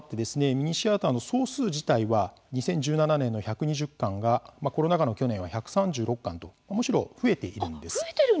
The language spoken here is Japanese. ミニシアターの総数自体は２０１７年の１２０館がコロナ禍の去年は１３６館とむしろ増えているんです。